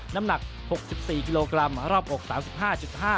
น้ำหนัก๖๔กิโลกรัมรอบอก๓๕๕